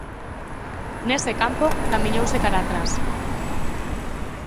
Nese campo, camiñouse cara a atrás.